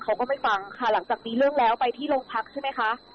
เขาก็ไม่ฟังค่ะหลังจากมีเรื่องแล้วไปที่โรงพักใช่ไหมคะ